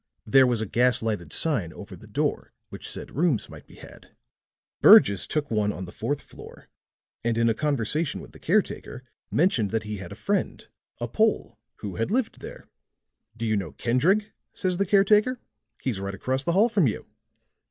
There was a gas lighted sign over the door which said rooms might be had. Burgess took one on the fourth floor, and in a conversation with the caretaker mentioned that he had a friend, a Pole, who had lived there. "'Do you know Kendreg?' says the caretaker. 'He's right across the hall from you.'